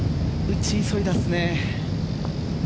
打ち急いだですね。